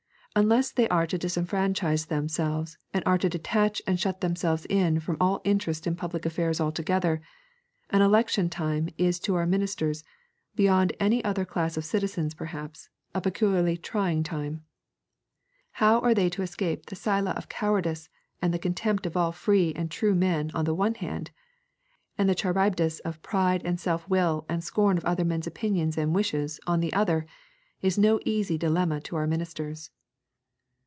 Unless they are to disfranchise themselves and are to detach and shut themselves in from all interest in public affairs altogether, an election time is to our ministers, beyond any other class of citizens perhaps, a peculiarly trying time. How they are to escape the Scylla of cowardice and the contempt of all free and true men on the one hand, and the Charybdis of pride and self will and scorn of other men's opinions and wishes on the other, is no easy dilemma to our ministers.